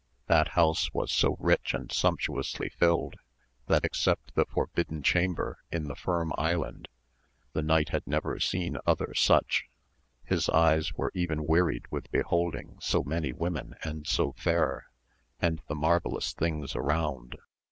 That house was so rich and sumptu ously filled, that except the Forbidden Chamber in the Firm Island, the knight had never seen other such j his eyes were even wearied with beholding so many women and so fair, and the marvellous things around.